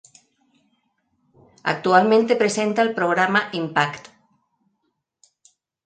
Actualmente presenta el programa "Impact".